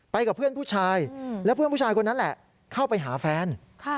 กับเพื่อนผู้ชายและเพื่อนผู้ชายคนนั้นแหละเข้าไปหาแฟน